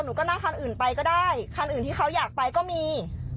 หนูก็นั่งคันอื่นไปก็ได้คันอื่นที่เขาอยากไปก็มี